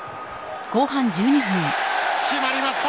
決まりました！